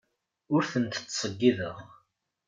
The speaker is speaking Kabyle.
Ur tent-ttṣeyyideɣ.